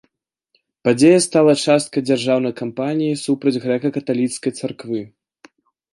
Падзея стала часткай дзяржаўнай кампаніі супраць грэка-каталіцкай царквы.